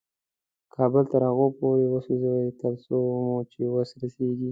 کابل تر هغو پورې وسوځوئ تر څو مو وس رسېږي.